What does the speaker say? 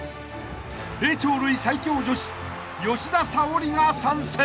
［霊長類最強女子吉田沙保里が参戦］